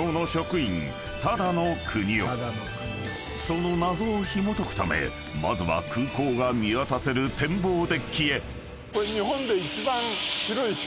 ［その謎をひもとくためまずは空港が見渡せる展望デッキへ］